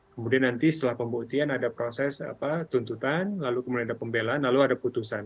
kemudian nanti setelah pembuktian ada proses tuntutan lalu kemudian ada pembelaan lalu ada putusan